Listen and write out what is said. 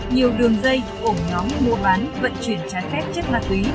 nhiều đường dây ổng nóng mua bán vận chuyển trái khép chất ma túy